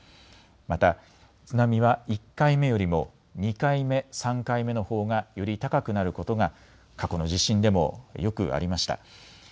また津波は１回目よりも２回目、３回目のほうがより高くなることが過去の地震でもよくありました。